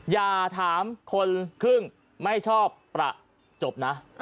อย่าถามคนครึ่งไม่ชอบประจบนะ